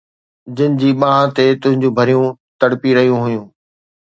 جن جي ٻانهن تي تنهنجون پريون تڙپي رهيون هيون